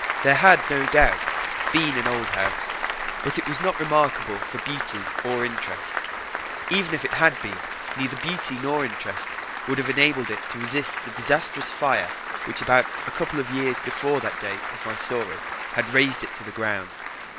There had, no doubt, been an old house; but it was not remarkable for beauty or interest. Even had it been, neither beauty nor interest would have enabled it to resist the disastrous fire which about a couple of years before the date of my story had razed it to the ground.